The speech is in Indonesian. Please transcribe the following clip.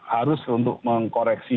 harus untuk mengkoreksi